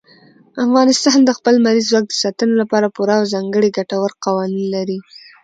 افغانستان د خپل لمریز ځواک د ساتنې لپاره پوره او ځانګړي ګټور قوانین لري.